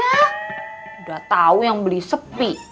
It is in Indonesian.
udah tau yang beli sepi